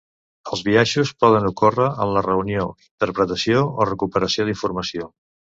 Els biaixos poden ocórrer en la reunió, interpretació o recuperació d'informació.